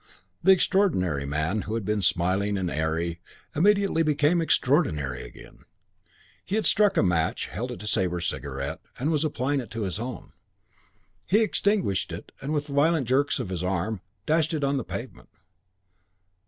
The extraordinary man, who had become smiling and airy, immediately became extraordinary again. He had struck a match, held it to Sabre's cigarette, and was applying it to his own. He extinguished it with violent jerks of his arm and dashed it on to the pavement.